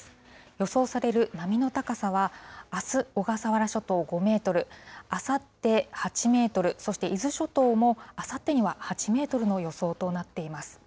予想される波の高さは、あす、小笠原諸島５メートル、あさって８メートル、そして伊豆諸島も、あさってには８メートルの予想となっています。